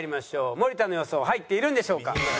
森田の予想入っているんでしょうか？